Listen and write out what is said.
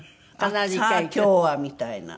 「さあ今日は」みたいな。